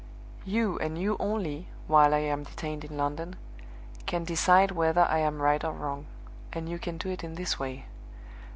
"You and you only (while I am detained in London) can decide whether I am right or wrong and you can do it in this way.